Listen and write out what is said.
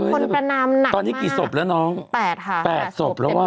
คนประนามหนักมากตอนนี้กี่ศพแล้วน้อง๘ค่ะ๘ศพแล้วว่ะ